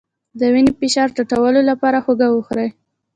د وینې فشار ټیټولو لپاره هوږه وخورئ